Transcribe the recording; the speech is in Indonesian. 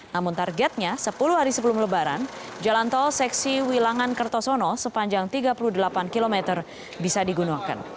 namun targetnya sepuluh hari sebelum lebaran jalan tol seksi wilangan kertosono sepanjang tiga puluh delapan km bisa digunakan